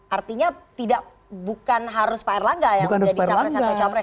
artinya bukan harus pak erlangga yang menjadi capres atau cawapres